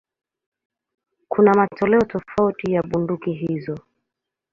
Kuna matoleo tofauti ya bunduki hizo.